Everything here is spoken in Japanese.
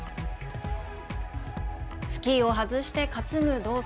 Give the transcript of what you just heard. スキーを外して担ぐ動作。